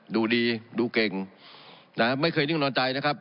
ดูดีดูเก่งนะไม่เคยนิ่งนอนใจนะครับ